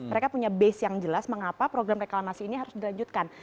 mereka punya base yang jelas mengapa program reklamasi ini harus dilanjutkan